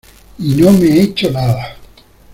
¡ y no me he hecho nada!